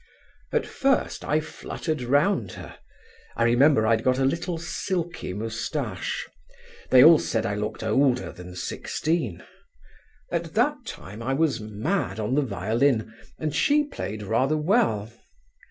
"At first I fluttered round her. I remember I'd got a little, silky moustache. They all said I looked older than sixteen. At that time I was mad on the violin, and she played rather well.